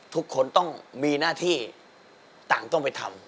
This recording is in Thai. ทุกคนต้องมีหน้าที่ต่างต้องไปทำ